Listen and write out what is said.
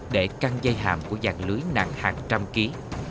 để căng dây hàm của dạng lưới nặng hàng trăm ký